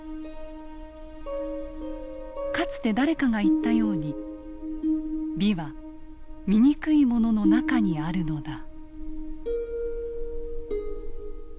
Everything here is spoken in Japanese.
「かつて誰かが言ったように美は醜いものの中にあるのだ」。